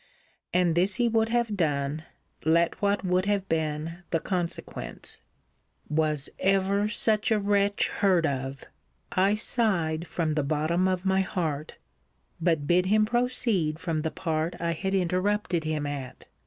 And this he would have done, let what would have been the consequence. Was ever such a wretch heard of! I sighed from the bottom of my heart; but bid him proceed from the part I had interrupted him at.